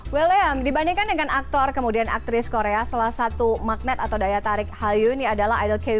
william dibandingkan dengan aktor kemudian aktris korea salah satu magnet atau daya tarik hallyu ini adalah idol k dua